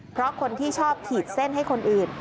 เพราะคนที่ชอบขีดเส้นให้คนอื่น